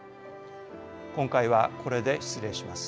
今回はこれで失礼します。